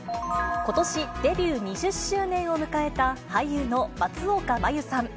ことし、デビュー２０周年を迎えた俳優の松岡茉優さん。